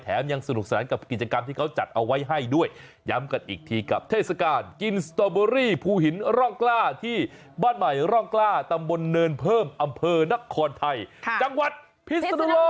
ยังสนุกสนานกับกิจกรรมที่เขาจัดเอาไว้ให้ด้วยย้ำกันอีกทีกับเทศกาลกินสตอเบอรี่ภูหินร่องกล้าที่บ้านใหม่ร่องกล้าตำบลเนินเพิ่มอำเภอนครไทยจังหวัดพิศนุโลก